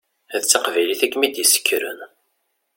D taqbaylit i kem-id-yessekren.